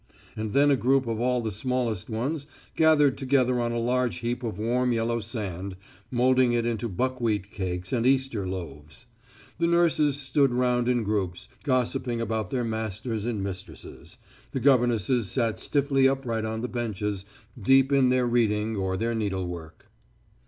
And then a group of all the smallest ones gathered together on a large heap of warm yellow sand, moulding it into buckwheat cakes and Easter loaves. The nurses stood round in groups, gossiping about their masters and mistresses; the governesses sat stiffly upright on the benches, deep in their reading or their needlework.